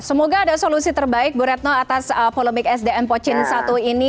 semoga ada solusi terbaik bu retno atas polemik sdm pocin satu ini